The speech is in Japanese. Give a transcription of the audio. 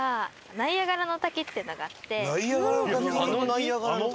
ナイアガラだ！